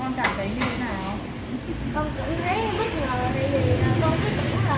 nhưng mà lần này con cũng nghĩ ba mẹ vẫn khỏi